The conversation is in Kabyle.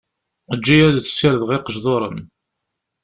Eǧǧ-iyi ad sirdeɣ iqejḍuṛen.